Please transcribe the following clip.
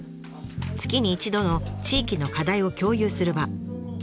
月に一度の地域の課題を共有する場。